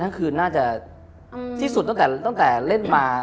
ทั้งคืนน่าจะที่สุดตั้งแต่เล่นมา